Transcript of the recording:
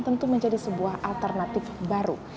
tentu menjadi sebuah alternatif baru